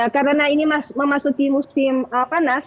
karena ini memasuki musim panas